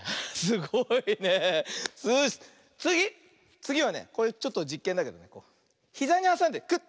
つぎはねちょっとじっけんだけどひざにはさんでクッ。